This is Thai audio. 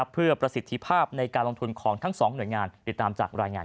เพื่อประสิทธิภาพในการลงทุนของทั้งสองหน่วยงานติดตามจากรายงาน